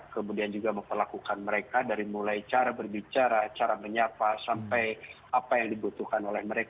kemudian juga memperlakukan mereka dari mulai cara berbicara cara menyapa sampai apa yang dibutuhkan oleh mereka